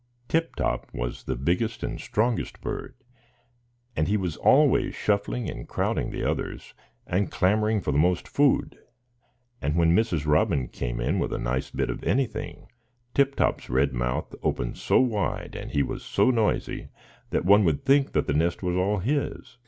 Tip Top was the biggest and strongest bird, and he was always shuffling and crowding the others, and clamouring for the most food; and when Mrs. Robin came in with a nice bit of anything, Tip Top's red mouth opened so wide, and he was so noisy, that one would think the nest was all his.